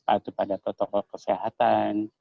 atau pada protokol kesehatan